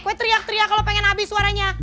gue teriak teriak kalau pengen habis suaranya